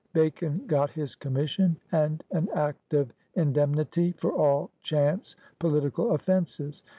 Bacon got his commission and an Act of Indem nity for all chance political offenses.